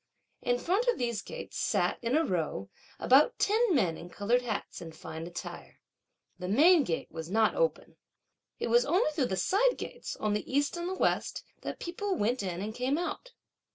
In front of these gates, sat, in a row, about ten men in coloured hats and fine attire. The main gate was not open. It was only through the side gates, on the east and west, that people went in and came out.